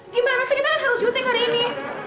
gimana sih kita kan harus syuting hari ini